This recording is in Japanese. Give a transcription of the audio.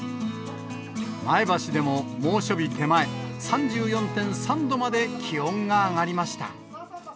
前橋でも猛暑日手前、３４．３度まで気温が上がりました。